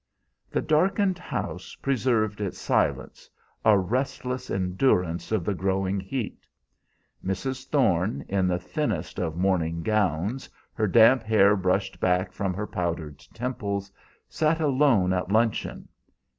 The darkened house preserved its silence, a restless endurance of the growing heat. Mrs. Thorne, in the thinnest of morning gowns, her damp hair brushed back from her powdered temples, sat alone at luncheon.